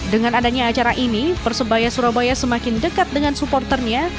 dengan adanya acara ini persebaya surabaya semakin dekat dengan supporternya